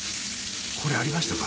これありましたか？